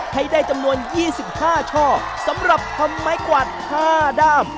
ให้ได้จำนวน๒๕ช่อสำหรับทำไม้กวาด๕ด้าม